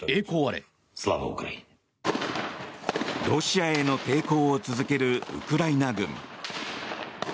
ロシアへの抵抗を続けるウクライナ軍。